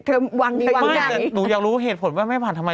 แต่อยากรู้เพราะแม่ตาผ่านทำไม